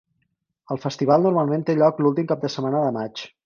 El festival normalment té lloc l'últim cap de setmana de maig.